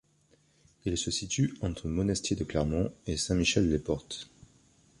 Il se situe entre Monestier-de-Clermont et Saint-Michel-les-Portes.